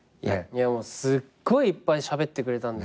すっごいいっぱいしゃべってくれたんです。